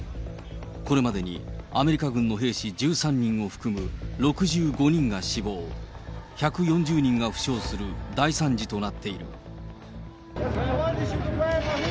これまでにアメリカ軍の兵士１３人を含む６５人が死亡、１４０人が負傷する大惨事となっている。